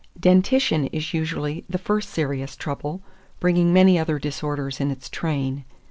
2405. Dentition is usually the first serious trouble, bringing many other disorders in its train.